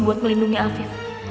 buat melindungi afif